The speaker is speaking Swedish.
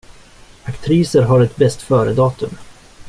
Aktriser har ett bäst föredatum.